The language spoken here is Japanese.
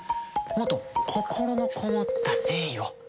もっと心のこもった誠意を。